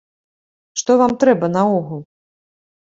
Што вам трэба наогул?